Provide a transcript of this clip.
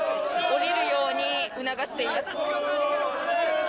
降りるように促しています。